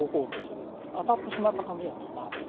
当たってしまった紙は止まってる。